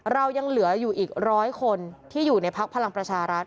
เรายังเหลืออยู่อีก๑๐๐คนที่อยู่ในพักพลังประชารัฐ